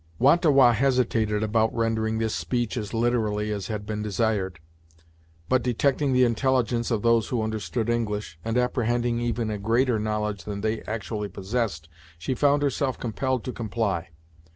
Wah ta Wah hesitated about rendering this speech as literally as had been desired, but detecting the intelligence of those who understood English, and apprehending even a greater knowledge than they actually possessed she found herself compelled to comply.